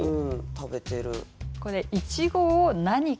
食べてる。